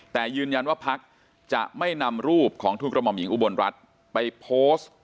แต่ยืนยันว่าพักจะไม่นำรูปของทุกกระหม่อมหญิงอุบลรัฐไปโพสต์